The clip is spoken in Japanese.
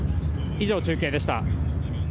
以上、中継でした。